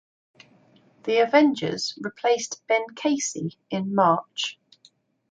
"The Avengers" replaced Ben Casey in March.